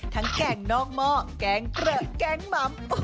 แกงนอกหม้อแกงเกลือแกงหม่ำ